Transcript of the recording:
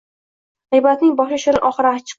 G‘iybatning boshi “shirin”, oxiri achchiq.